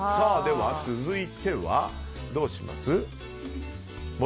続いてはどうします？